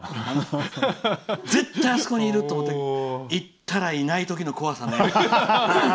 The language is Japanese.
絶対あそこにいると思って行ったらいないときの怖さね。